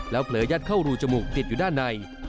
เผลอยัดเข้ารูจมูกติดอยู่ด้านใน